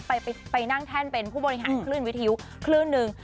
ไปนั่งแท่นเป็นผู้บริหารคลื่นวิทยุคลื่นหนึ่ง